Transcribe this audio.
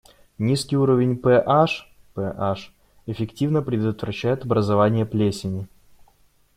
Низкий уровень pH (пэ-аш) эффективно предотвращает образование плесени.